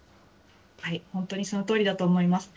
本当にそのとおりだと思います。